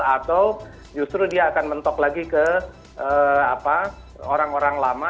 atau justru dia akan mentok lagi ke orang orang lama